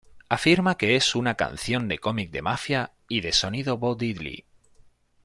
Afirma que es una canción de cómic de mafia y de sonido Bo Diddley.